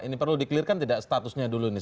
ini perlu di clear kan tidak statusnya dulu nih